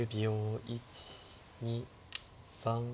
１２３。